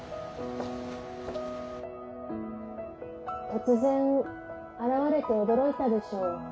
・突然現れて驚いたでしょう。